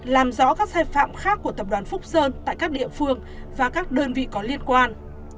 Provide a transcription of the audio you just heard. làm rõ các sai phạm khác của tập đoàn phúc sơn tại các địa phương và các đơn vị có liên quan